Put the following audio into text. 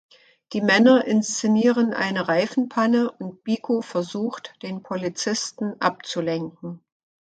Die Männer inszenieren eine Reifenpanne und Biko versucht, den Polizisten abzulenken.